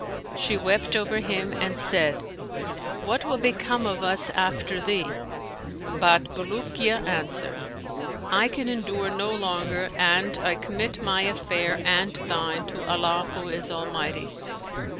She wept over him and said, 'What will become of us after thee?'; but Bulukiya answered, 'I can endure no longer, and I commit my affair and thine to Allah who is Almighty.'